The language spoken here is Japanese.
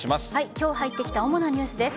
今日入ってきた主なニュースです。